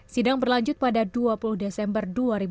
sidang berlanjut pada dua puluh desember dua ribu dua puluh